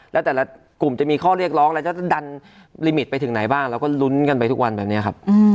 แล้วแต่ละกลุ่มจะมีข้อเรียกร้องแล้วจะดันลิมิตไปถึงไหนบ้างเราก็ลุ้นกันไปทุกวันแบบนี้ครับ